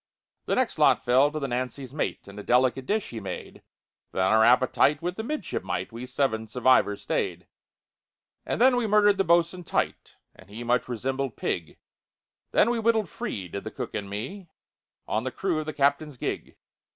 "The next lot fell to the Nancy's mate, And a delicate dish he made; Then our appetite with the midshipmite We seven survivors stayed. "And then we murdered the bos'un tight, And he much resembled pig; Then we wittled free, did the cook and me, On the crew of the captain's gig.